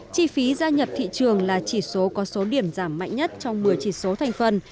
chi phí gia nhập thị trường là chỉ số có số điểm giảm mạnh nhất trong một mươi chỉ số thành phần